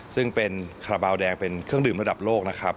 ซึ่งเป็นคาราบาลแดงเป็นเครื่องดื่มระดับโลกนะครับ